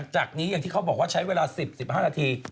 จากนี้อย่างที่เขาบอกว่าใช้เวลา๑๐๑๕นาที